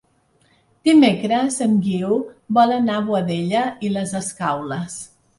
Dimecres en Guiu vol anar a Boadella i les Escaules.